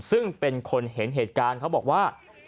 ซึ่งเป็นคนเห็นเหตุการณ์เขาบอกว่า